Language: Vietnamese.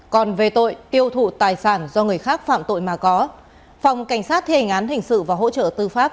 còn về tội tiêu thụ tài sản do người khác phạm tội mà có phòng cảnh sát thề hình án hình sự và hỗ trợ tư pháp